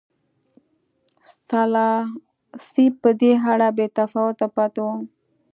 سلاسي په دې اړه بې تفاوته پاتې و.